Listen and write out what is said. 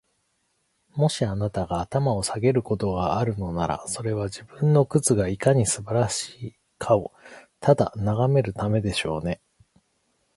もし、あなたが頭を下げることがあるのなら、それは、自分の靴がいかに素晴らしいかをただ眺めるためでしょうね。